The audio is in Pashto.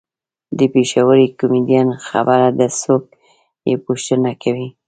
د پېښوري کمیډین خبره ده څوک یې پوښتنه کوي.